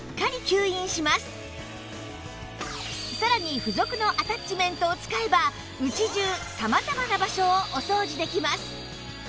さらに付属のアタッチメントを使えば家中様々な場所をお掃除できます